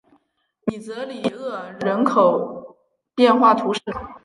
米泽里厄人口变化图示